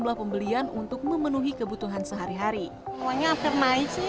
dengan demikian jumlah pasokan ke pasar pasar tradisional berkurang signifikan